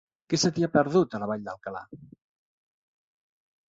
Què se t'hi ha perdut, a la Vall d'Alcalà?